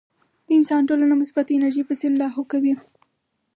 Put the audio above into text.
د انسان ټوله مثبت انرجي پۀ سين لاهو کوي -